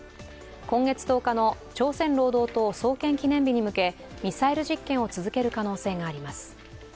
今月１０日の朝鮮労働党創建記念日に向けミサイル実験を続ける可能性があります。